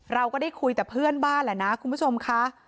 เราก็ได้คุยแต่เพื่อนบ้านแหละนะคุณผู้ชมค่ะ